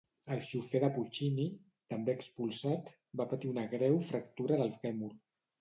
El xofer de Puccini, també expulsat, va patir una greu fractura del fèmur.